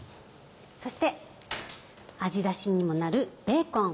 そして味ダシにもなるベーコン。